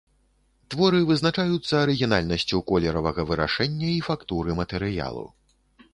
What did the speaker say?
Творы вызначаюцца арыгінальнасцю колеравага вырашэння і фактуры матэрыялу.